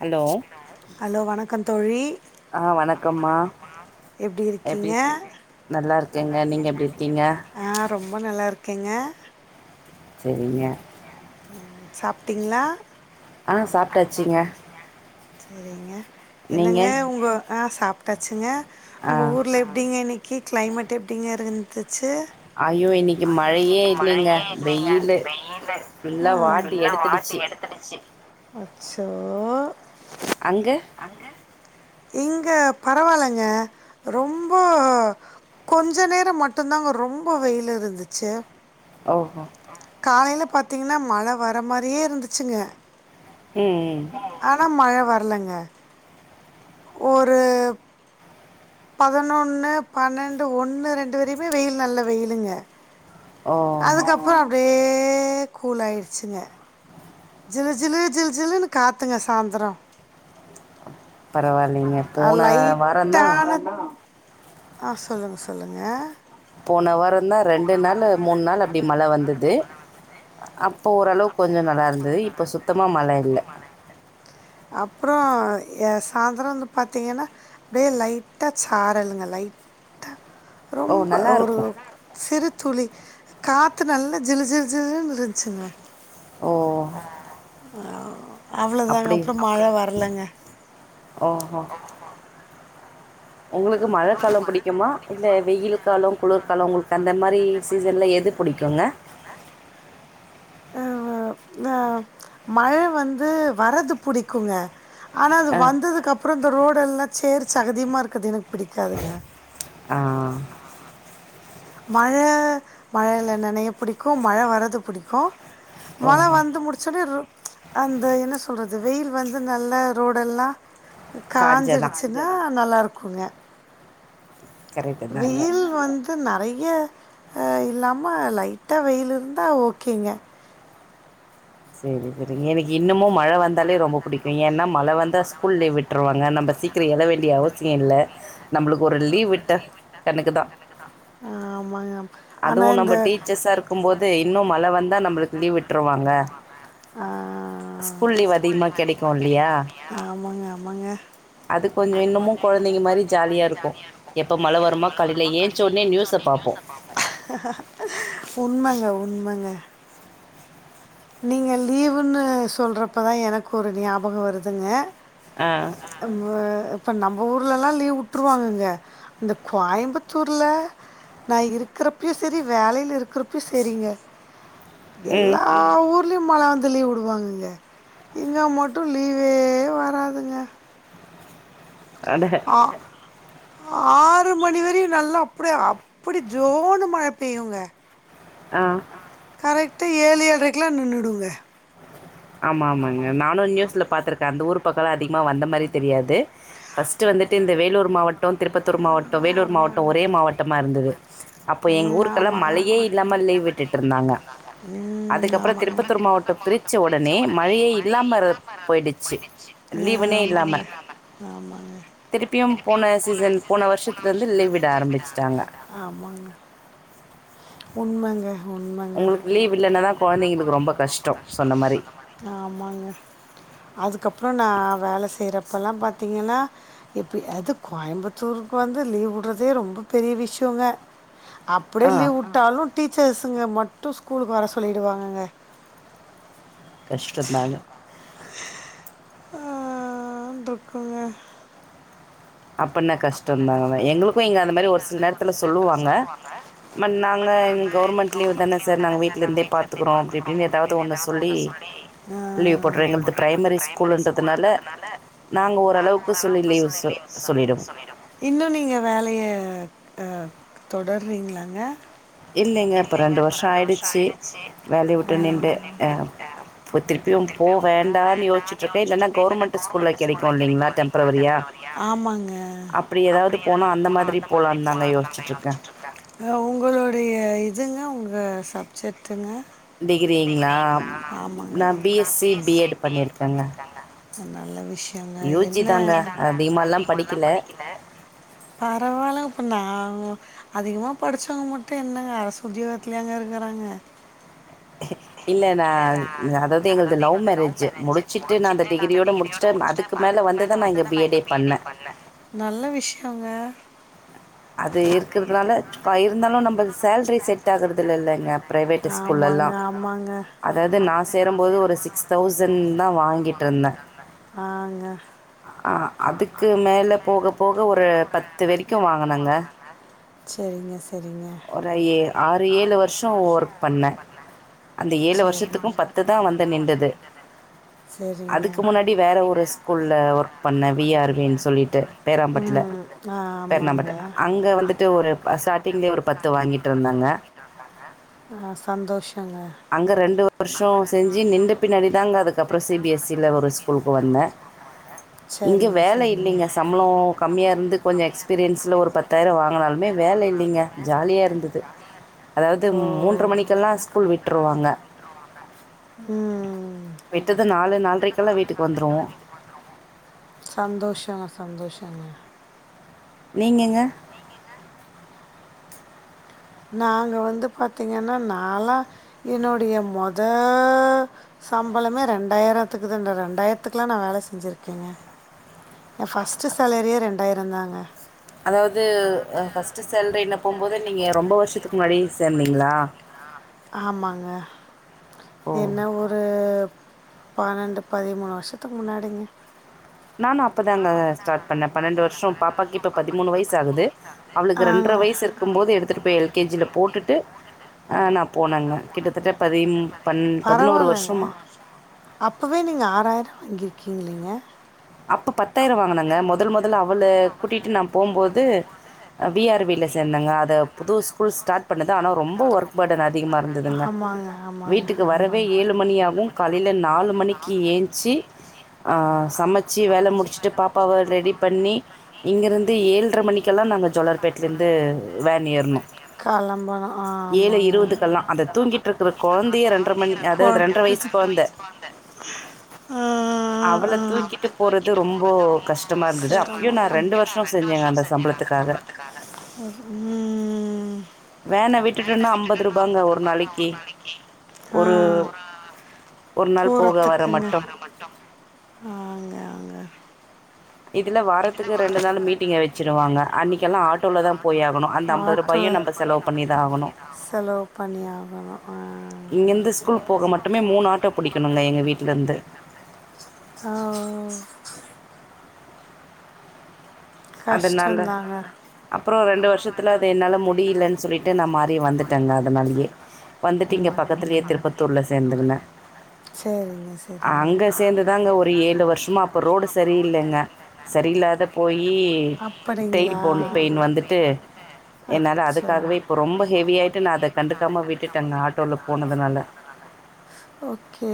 Hello hello வணக்கம் தோழி ஆ வணக்கம்மா எப்படி எப்டி இருக்கீங்க நல்லா இருக்கேங்க நீங்க எப்டி இருக்கீங்க ஆ ரொம்ப நல்லாருக்கேங்க சரிங்க ம் சாப்டிங்ளா ஆ சாப்டாச்சுங்க சேரிங்க நீங்க என்னங்க உங்க ஆ சாப்டாச்சுங்க ஆ உங்க ஊர்ல எப்டிங்க இன்னக் கி கிளைமேட் எப்டிங்க இருந்துச்சு ஐயோ இன்னைக்கி மழையே இல்லைங்க வெயிலு நல்லா வாட்டி எடுத்துடிச்சி அடச்சி அச்சோ அங்க இங்க பரவால்லங்க ரொம்ப கொஞ்ச நேரம் மட்டும்ந்தாங்க ரொம்ப வெயில் இருந்துச்சு ஓஹோ காலைல பாத்தீங்கன்னா மழ வர மாரியே இருந்துச்சுங்க ம் ஆனா மழை வரலங்க ஒரு பதினொன்னு பன்னெண்டு ஒன்னு ரெண்டு வரையுமே வெயில் நல்ல வெயிலுங்க ஓ அதுக்கப்புரோ அப்டியே கூலாயிடுச்சுங்க ஜிலு ஜிலு ஜில் ஜிலுன்னு காத்துங்க சாந்தரம் பரவாயில்லைங்க அ போன வாரந்தா லைட்டான ஆ சொல்லுங்க சொல்லுங்க போன வாரம் தான் ரெண்டு நாள் மூணு நாள் அப்டி மழை வந்தது அப்போ ஓரளவுக்கு கொஞ்சம் நல்லா இருந்தது இப்ப சுத்தமா மழ இல்ல அப்புறம் எ சாந்தரம் வந்து பாத்தீங்கன்னா அப்டியே லைட்டா சாரலுங்க லைட் ஓ ரொம்ப நல்லா ஒரு இருக்கு சிறு துளி காத்து நல்லா ஜிலு ஜிலு ஜிலுன்னு இருந்துச்சுங்க ஓ ஆ அவ்ளோதாங்க அப்டி அப்றொ மழை வரலங்க ஓஹோ ஒங்களுக்கு மழ காலொ புடிக்குமா இல்ல வெயில் காலொ குளுர்காலொ உங்களுக்கு அந்த மாரி சீசன்ல எது புடிக்குங்க ஆ ஹ த மழை வந்து வரது புடிக்குங்க ஆனா அது அ. வந்ததுக்கப்றொ இந்த ரோடெல்லா சேர் சேகதியுமா இருக்கது எனக்கு புடிக்காதுங்க ஆ மழ மழைல நனய புடிக்கு மழை வரது புடிக்கு மழ ஓஹோ! வந்து முடிச்சது ரோ த என்ன சொல்றது வெயில் வந்து நல்ல ரோடெல்லா காஞ்ச தான். காஞ்சிருச்சு ந்தா நல்லா இருக்குங்க கரெக்ட்டு தாங்க. வெயில் வந்து நறைய ஆ இல்லாம ம லைட்டா வெயில் இருந்தா ஓகேங்க செரிங்க செரிங்க எனக்கு இன்னமு மழ வந்தாலே ரொம்ப புடிக்கு ஏன்னா மழ வந்தா ஸ்கூல் லீவ் விட் விட்ருவாங்க நம்ப சீக்கிரொ எழ வேண்டிய அவசியொ இல்ல நம்பளுக்கு ஒரு லீவ் விட்டா எனக்குதா ஆ ஆமாங்க ஆனா இந்த கும்போது இன்னு மழ வந்தா நம்ளுக்கு லீவ் விட்ருவாங்க ஆ ஸ்கூல் லீவ் அதிகமா கெடைக்கு இல்லியா ஆமாங்க ஆமாங்க அது கொஞ்சொ இன்னமு கொழந்தைங்க மாரி ஜாலியா இருக்கு எப்போ மழ வருமா காலைல ஏன்ச ஒடனே நியூஸ்ச பாப்போ உண்மங்க உண்மங்க நீங்க லீவுன்னு சொல்றப்பதா எனக்கு ஒரு ஞாபக வருதுங்க ஆ ஆ இப்ப நம்ப ஊர்லலா லீவ் உட்ருவாங்கங்க இந்த கோயம்புத்தூர்ல நா இருக்கிறப்பயு சரி வேலைல இருக்கிறப் ப்யு செரிங்க ம் எல்லா ஊர்லயு மழ வந்து லீவ் விடுவாங்கங்க இங்க மட்டு லீவே வராதுங்க அண்டப்பா அ ஆறு மணி வரையு நல்லா அப்டியே அப்டி ஜோனு மழை பெய்யுங்க ஆ கரெக்டா ஏழு ஏழ்ரைக்லா நின்னுடுங்க ஆமா ஆமாங்க நானு நியூஸ்ல பாத்துருக் அந்த ஊர் பக்கொல அதிகமா வந்த மாரி தெரியாது ஃபஸ்ட் வந்துட்டு இந்த வேலூர் மாவட் டொ திருப்பத்தூர் மாவட்டொ வேலூர் மாவட்டொ ஒரே மாவட்டமா இருந்தது அப்போ எங்க ம் ஊருக்கெல்லா ஆமா மழையே ஆமா இல்லாம லீவ் விட் விட்டுட்ருந்தாங்க ம் அதுக்கப்றொ ஆமாங்க திருப்பத்தூர் மாவட்டொ பிரிச்ச ஒடனே மழையே இல்லாம ர போயிடுச்சு ஆ லீவுனே இல்லாம ஆமாங்க ஆமாங்க திருப்பியும் போன சீசன் போன வருஷத்துல இருந்து லீவ் விட ஆரம்பிச்டாங்க ஆமாங்க உண்மங்க உண் உங்களுக்கு லீவ் இல்லேன்னா தா கொழந்தைங்களுக்கு ரொம்ப கஷ்டொ சொன்ன மாரி ஆமாங்க அதுக்கப்றொ நா வேல செய்யறப்பல்லா பாத்தீங்கன்னா இப்ப அது கோயம்பு த்தூருக்கு வந்து லீவ் வுட்றதே ரொம்ப பெரிய விஷ்யொங்க அப்டியே ஆ லீவ் வுட் டாலு டீச்சர்ஸ்ங்க மட்டு ஸ்கூலுக்கு வர சொல்லிடுவாங்க க கஷ்ட நானு ஆ துக்குங்க அப்பன்னா கஷ்டந்தாங்கக எங்களுக்கு இங்க அந்த மாரி ஒரு சில நேர சொல்லுவாங்க மட் நாங்க கவர்மண்ட் லீவ் தான சார் நாங்க வீட்லர்ந்தே பாத் அஅ லீவ் போட்றோ எங்கள்து பிரைமரி ஸ்கூலுன்றதுனால னால நாங்க ஓரளவுக்கு சொல்லி லீவு சொ சொல்லிடுவோ இன்னு நீங்க வேலைய அ தொடர்றீங்ளாங்க இல்லங்க இப்ப ரெண்டு வர்ஷொ ஆய்டுச்சு வேலய உட்டு நின்டு அ இப்ப திருப்பியு போ வேண்டான்னு யோச்சிட்டுருக்க இல்லென்ன கவர்மெண்ட்டு ஸ்கூல்ல கெடைக்கு இல்லேங்ளா டெம்ப்ரவரியா ஆமாங்க அப்படி ஏதாவது அப்டி ஏதாது போனா அந்த மாதிரி போலான்னு தாங்க போலான்தா யோசிச்சுட்ருக்கே அ உங்களுடைய இதுங்க உங்க சப்ஜெக்டுங்க டிகிரிங்களா நா B S C B Ed பண்ணிருக்கங்க நல்ல விஷயந்தா என்ன ஒகே தாங்க அதிகமால்லா படிக்கல பரவால்லப்பண்ணா அதிகமா படிச்சவங்க மட்டு என்ன அரசு உத்யோகத்துலயாங்க இருக்குறாங்க இல்ல நா அதாவது எங்களது லவ் மேரேஜு முடிச்சுட்டு நா அந்த டிகிரியோட முடிச்சுட்டு அதுக் க்கு மேல வந்து தா நா இங்க பி எட் ஏ பண்ண நல்ல விஷ்யோங்க அது இருக்றதுனால இருந்தாலு நம்ப சேல்ரி செட் ஆகுறதில்லலங்க ப்ரைவேட்டு ஸ்கூல்லெல்லா அம்மாங்க அதாது நா சேரும்போது ஒரு சிக்ஸ் தௌசண் தா வாங்கிட்ருந்த ஆ ங்க ஆ அதுக்கு மேல போக போக ஒரு பத்து வரக்கு வாங்குனங்க செரிங்க செரிங்க ஒரு ஏ ஆறு ஏழு வர்ஷோ ஒர்க் பண்ணே இந்த ஏழு சரி வருஷத்துக்கு பத்து தா வந்து நின்டது சேர் அதுக்கு முன்னாடி வேற ஒரு ஸ்கூல்ல ஒர்க் பண்ண வி ஆர் வி ன்னு சொல்லிட்டு பேரம்பட்ல ம் ஆமாங்க ங்கே ஒரு பத்து வாங்கிட்ருந்தங்க ஆ சந்தோஷங்க அங்க ரெண்டு வருஷோ செஞ்சு நிண்ட பின்னாடி தாங்க அதுக்கப்றோ சி பி எஸ் சி ல ஒரு ஸ்கூலுக்கு வந்த இங்க சரிங்க வேல சரிங்க இல்லேங்க சம்ளோ கம்மியா இருந்து கொஞ்சோ எக்ஸ்பீரியன்ஸ்ல ஒரு பத் தாயிரோ வாங்குனாலுமே வேல இல்லங்க ஜாலியா ருந்தது அதாவது ஓ மூன்ற மணிக்கெல்லா ஸ்கூல் விட் ருவாங்க ம் விட்டது நாலு நால்ரைக்கெல்லா வீட்டுக்கு வந்துருவோ சந்தோஷங்க சந்தோஷங்க நீங்கங்க நாங்க வந்து பாத்தீங்கன்னா நாலா என்னுடைய மொத சம்பளமே ரெண்டாயிரத்துக்கு தண்டா ரெண்டாயிரத்துக்கெல்லா நா வேல செஞ்சிருக்கேங்க எ ஃபஸ்ட்டு சேலரியே ரெண்டாயிரந்தாங்க அதாவது ஃபர்ஸ்ட்டு சேலரின போம்போது நீங்க ரொம்ப வர்ஷத்துக்கு முன்னாடி சேந்தீங்ளா ஆமாங்க ஓ என்ன ஒரு பன்னெண்டு பதிமூணு வர்ஷத்துக்கு முன்னாடிங்க நானு அப்பதாங்க ஸ்டார்ட் பண்ண பன்னெண்டு வருஷ பாப்பாக்கு இப்ப பதிமூணு வய்சு ஆகுது அவளுக்கு ரண்ட்ர ஆங்க வயசு இருக் கும் போது எடுத்துட்டு போய் எல் கே ஜி ல போட்டுட்டு ஆ நா போனங்க கிட்டத்தட்ட பதிம் பன் பதுனோரு பரவாயில்லைங்க வர்ஷமா அப்போவே நீங்க ஆறாயிர வாங்கிருக்கீங்லேங்க அப்ப பத்தாயிர வாங்குனங்க மொதல் மொதல்ல அவள கூட்டிட்டு நா போபோது வி ஆர் வி ல சேந்தங்க அத புது ஸ்கூல் ஸ்டாட் பண்ணுது ஆனா ரொம்ப ஒர்க் பர்டன் அதிகமா இருந்ததுங்க ஆமாங்க ஆமாங்க வீட்டுக்கு வரவே ஆமாங்க ஏழு மணியாகும் காலைலல நாலு மணிக்கு ஏந்துஞ்சி சமைச்ச வச்சு வேலை முடிச்சிட்டு பாப்பாவை ரெடி பண்ணி இங்கிருந்து ஏழட்ரை மணிக்கெல்லாம் நாங்க ஜோலார்பேட்டலருந்து வேன் ஏறனும் கெளம்பணும் ஆ, ஏழு ஆமாங்க இருபதுக்கெல்லாம் அதை தூங்கிட்டு இருக்கற குழந்தைய ரெண்டரை மணி கொ- அதாவது ரெண்டரை வயசு குழந்தை ஆ ஆஆ ஆ விட்டு போறது ரொம்ப கஷ்டமா இருந்தது அப்பயும் சிரமம். நான் ரெண்டு வருஷம் செஞ்சேங்க அந்த சம்பளத்துக்காக ம்ம் வேனை விட்டுட்டுனா ஐம்பது ரூபாங்க ஒரு நாளைக்கு ஆ ஒரு ஒரு நாள் போக போறதுக்குங்க வரமட்டும் ஆங்க ஆங்க இதுல வாரத்துக்கு ரெண்டு நாள் மீட்டிங்க வச்சுருவாங்க அன்னைக்கெல்லாம் ஆட்டோல்ல தா போய் ஆகனும் அந்த ஐம்பது ஆட்டோ ரூபாயும் நம்ம செலவு [inaudible] செலவு பண்ணியா இங்கருந்து ஸ்கூல் போக மட்டுமே மூணு ஆட்டோ பிடிக்கணுங்க எங்க வீட்டுல இருந்து ஆ ஓ ஓ அதனால கஷ்டம்தாங்க அப்புறம் ரெண்டு வருஷத்துல அது என்னால முடியலன்னு சொல்லிட்டு நான் மாறியே வந்துட்டேங்க அதனாலயே வந்துட்டு இங்க பக்கத்துலேயே திருப்பத்தூர்ல் சேந்துரிந்தே சேரிங்க சேரி அங்க சேந்துதாங்க ஒரு ஏழு வருஷமா அப்ப ரோடு சரியில்லைங்க சரியில்லாத போயி [unintelligible] டெயில் அப்படிங்களா போன் பெயின் வந்துட்டு என்னால அச்சா அதுக்காகவே போ ரொம்ப ஹெவியாட்டு நா அதை கண்டுக்காம விட்டுட்டேங்க ஆட்டோவில் போனதுனால ஓகே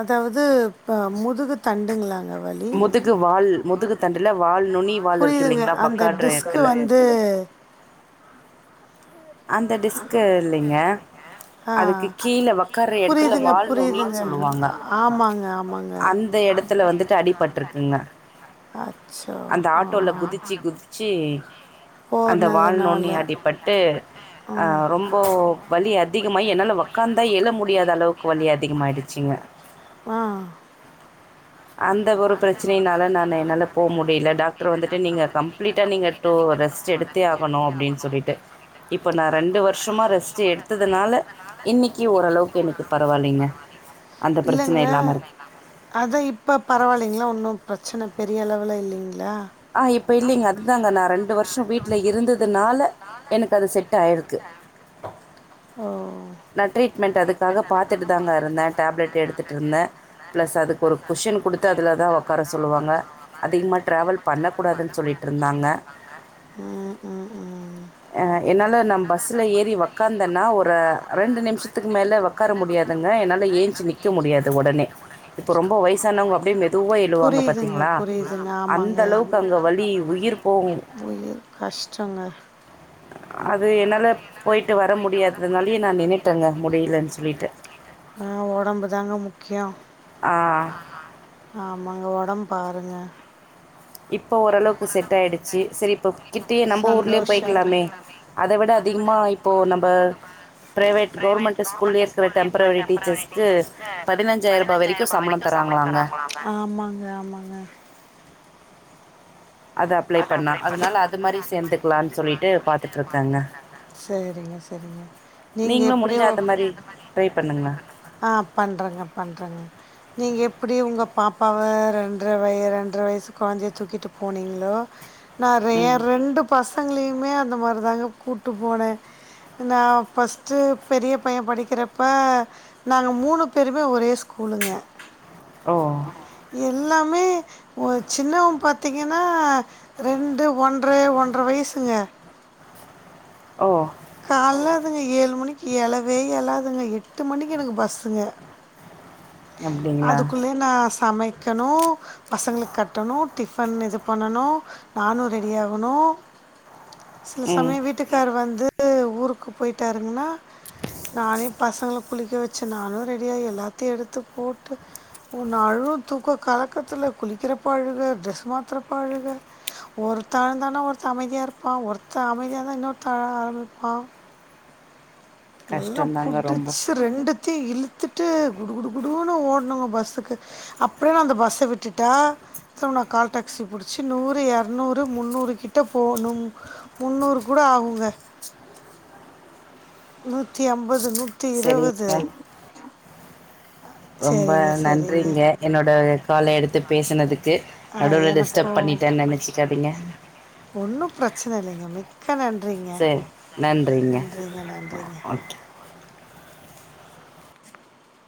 அதாவது இப்போ முதுகு தண்டுங்களாங்க வலி முதுகு வால் முதுகு தண்டில வால் நுனி வால் இருக்கு இல்லைங்களா பக்கவாட்டுற இடத்துல ம் அந்த டிஸ்க்கு இல்லைங்க ஆ அதுக்கு கீழே உட்கார எடத்துல புரியுதுங்க வால் நுனின்னு புரியுதுங்க சொல்வாங்க ஆ- ஆமாங்க ஆமாங்க அந்த இடத்து இடத்துல வந்துட்டு அடிபட்டுருக்குங்க அச்சோ அந்த ஆ ஆட்டோல குதிச்சு குதிச்சு அந்த போனதுனால வால்நுனி அடிப்பட்டு ஆ ஆரொம்ப இப்போ வலி அதிகமாகி என்னால உக்காந்தா எழ முடியாத அளவுக்கு வலி அதிகமாகாயிடுச்சிங்க ஆ அந்த ஒரு பிரச்சனைனால நா என்னால் போக முடியல டாக்டர் வந்துட்டு நீங்க கம்ப்ளீட்டா நீங்க டு ரெஸ்ட் எடுத்தே ஆகணு அப்டின் சொல்லிட்டு இப் இப்போ நா ரெண்டு வருஷமா ரெஸ்ட் எடுத்ததுனால இன்னிக்கி ஓரளவுக்கு எனக்கு பரவால்லைங்க அந்த பிரச்சன இல்லாம இருக்கு அத இப்ப பரவால்லைங்களா ஒன்னு பிரச்சன பெரிய அளவுல இல்லைங்களா ஆ இப்போ இல்லைங்க அதுதாங்க நான் ரெண்டு வருஷ வீட்ல இருந்ததுனால எனக்கு அது செட் ஆயிருக்கு ஓ நான் ட்ரீட்மெண்ட் அதுக்காக பாத்துட்டு தாங்க இருந்த டேப்லெட் எடுத்துட்டு இருந்த ப்ளஸ் அதுக்கு ஒரு குஷன் குடுத்து அதில தா ஒக்கார சொல்லுவாங்க அதிகமாக ட்ராவல் பண்ணக்கூடாதுன் சொல்லிட் இருந்தாங்க ம் ம் ம் என்னா நா பஸ்ஸுல ஏறி ஒக்காந்தன்னா ஒரு ரெண்டு நிமிஷத்துக்கு மேல ஒக்கார முடியாதுங்க என்னால ஏந்துசி நிக்க முடியாது ஒடனே இப்ப ரொம்ப வயசானவங்க அப்டியே மெதுவா எழுவாங்க புரியுதுங்க பாத்தீங்களா புரியுதுங்க அந்த ஆமாங்க அளவுக்கு அங்க வலி உயிர் போகு ஒயோ கஷ்டங்க அது என்னால போயிட்டு வர முடியாததுனால நா நின்னுட்டங்க முடியலன் சொல்லிட்டு ஆ ஒடம்பு தாங்க முக்கியோ ஆ ஆமாங்க ஒடம் பாருங்க இப்போ ஓரளவுக்கு செட் ஆயிடுச்சு சரி இப்போ கிட்டயே நம்ப ஊர்லயே சந்தோஷங்க போய்க்கலாமே அத விட அதிகமா இப்போ நம்ப பிரைவேட் கவர்மெண்ட் ஸ்கூல்லயே இருக்கிற டெம்ப்ரவரி டீச்சஸ்கு பதினஞ்சாயிரோ ரூபா வரைக்கு சம்ளோ தராங்களாங்க ஆமாங்க ஆமாங்க அது அப்ளை பண்ணால் அதனால அது மாதிரி சேர்ந்துக்கலான்னு சொல்லிட்டு பார்த்துட்ருக்கேங்க சேரிங்க சரிங்க நீங்க நீங்களும் எப்டியு முடிஞ்சால் அது மாதிரி ட்ரை பண்ணுங்க ஆ பண்றங்க பண்றங்க நீங்க எப்டி உங்க பாப்பாவ ரெண்ட்ர வய ரெண்ட்ர வயச கொழந்தைய தூக்கிட்டு போனிங்ளோ நா ர ஏ ம் ரெண்டு பசங்களயுமே அந்த மாரி தாங்க கூட்டு போனே நா ஃபர்ஸ்ட்டு பெரிய பைய படிக்கிறப்ப நாங்க மூணு பேருமே ஒரே ஸ்கூலுங்க ஓ எல்லாமே சின்னவ பாத்தீங்கனா ரெண்டு ஒன்ற ஒன்ற வயசுங்க ஓ கால்ல அதுங்க ஏழு மணிக்கு எலவே எலாதுங்க எட்டு மணிக்கு எனக்கு பஸ்ஸுங்க அப்படிங்களா அதுக்குள்ளயு நா சமைக்கணு பசங்களுக் கட்டணு டிஃபன் இது பண்ணணு நானு ரெடி ஆகணு சில ம் சமயோ வீட்டுக்காரு வந்து ஊருக்கு போயிட்டாருங்கனா நானே பசங்கள குளிக்க வச்சு நானு ரெடியாயி எல்லாத்தையு எடுத்து போட்டு ஒன்னு அழு தூக்க கலக்கத்துல குளிக்கிறப்ப அழுக ட்ரெஸ் மாத்துறப்ப அழுக ஒருத்தே அழுதானா ஒருத்தே அமைதியாருப்பா ஒருத்தே அமைதியாருந்தா இன்னொருத்தே ஆரமிப்பா எல்லா கஷ்டந்தாங்க ரொம்ப புடுச்சு ரெண்டுத்தையு இழுத்துட்டு குடு குடு குடுன்னு ஓடணுங்க பஸ்ஸுக்கு அப்ற நா அந்த பஸ்ஸ விட்டுட்டா திரும்ப நா கால் டாக்சி புடிச்சு நூறு எரநூறு முன்னூறு கிட்ட போணும் முன்னூறு கூட ஆவுங்க நூத்தி ஐம்பது நூத்தி இருவது சரிங்க ரொம்ப நன்றிங்க என்னோட கால எடுத்து பேசுனதுக்கு ஆ நடுல்ல டிஸ்டர்ப் எனக்கும் பண்ணிட்டேன் நெனச்சுக்காதீங்க ஒன்னு ப்ரச்சன இல்லைங்க மிக்க நன்றிங்க நன்றிங்க நன்றிங்க ஓகே